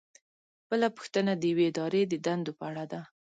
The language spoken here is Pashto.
بله پوښتنه د یوې ادارې د دندو په اړه ده.